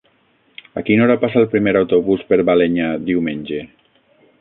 A quina hora passa el primer autobús per Balenyà diumenge?